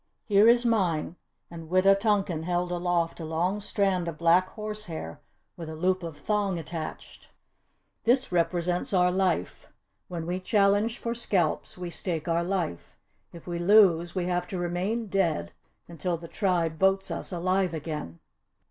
Here is mine," and Wita tonkan held aloft a long strand of black horsehair with a loop of thong attached. "This represents our life! When we challenge for scalps we stake our life. If we lose we have to remain dead until the Tribe votes us alive again."